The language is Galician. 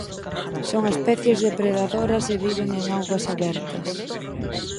Son especies depredadoras e viven en augas abertas.